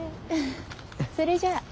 それじゃあ。